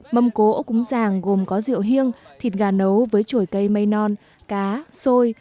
mâm cỗ cúng ràng gồm có rượu hiêng thịt gà nấu với chuổi cây mây non cá xôi